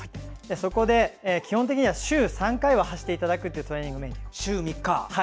そこで、基本的には週３回は走っていただくというトレーニングメニュー。